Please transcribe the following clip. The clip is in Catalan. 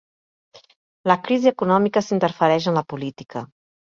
La crisi econòmica s'interfereix en la política.